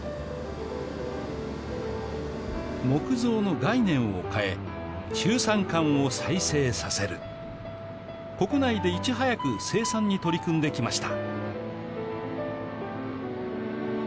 木造の概念を変え中山間を再生させる国内でいち早く生産に取り組んできました